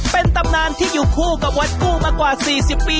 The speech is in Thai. เป็นตำนานที่อยู่คู่กับวัดกู้มากว่า๔๐ปี